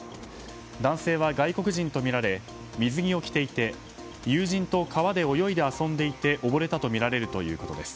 男性は外国人とみられ水着を着ていて友人と川で泳いで遊んでいて溺れたとみられるということです。